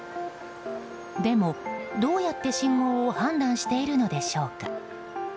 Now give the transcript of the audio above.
でも、どうやって信号を判断しているのでしょうか？